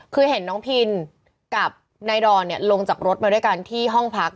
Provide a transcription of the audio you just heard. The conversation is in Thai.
คือเห็นน้องพินกับนายดอนลงจากรถมาด้วยกันที่ห้องพัก